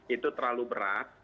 itu terlalu berat